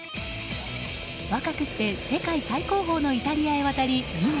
若くして世界最高峰のイタリアへ渡り２年。